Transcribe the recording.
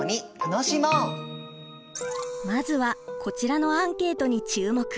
まずはこちらのアンケートに注目！